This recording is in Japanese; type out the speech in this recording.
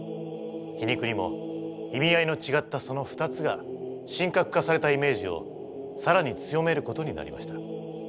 皮肉にも意味合いの違ったその２つが神格化されたイメージを更に強めることになりました。